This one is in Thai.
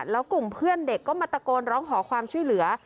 แล้วกลุ่มเพื่อนเด็กก็มาตะโกนร้องขอความช่วยเหลือ